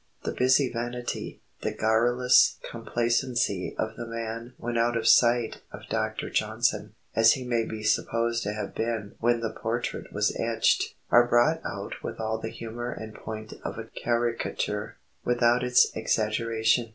The busy vanity, the garrulous complacency of the man when out of sight of Dr. Johnson, as he may be supposed to have been when the portrait was etched, are brought out with all the humour and point of a caricature, without its exaggeration.